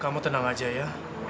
kamu tenang aja ya